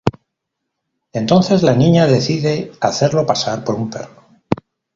Entonces la niña decide hacerlo pasar por un perro.